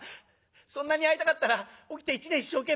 『そんなに会いたかったら起きて一年一生懸命働いて金をためろ。